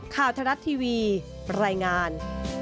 ข่าวทะลัดทีวีรายงาน